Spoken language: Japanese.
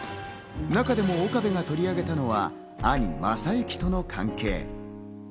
中でも岡部が取り上げたのは兄・雅之との関係。